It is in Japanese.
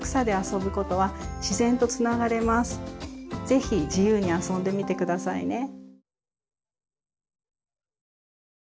是非自由にあそんでみて下さいね。